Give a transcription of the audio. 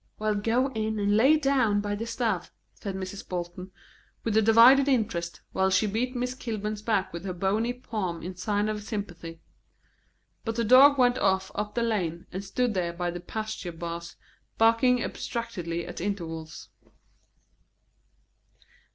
"Well, go in and lay down by the stove," said Mrs. Bolton, with a divided interest, while she beat Miss Kilburn's back with her bony palm in sign of sympathy. But the dog went off up the lane, and stood there by the pasture bars, barking abstractedly at intervals.